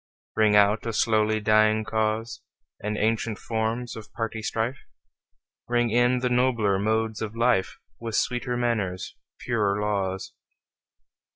Ring out a slowly dying cause, And ancient forms of party strife; Ring in the nobler modes of life, With sweeter manners, purer laws.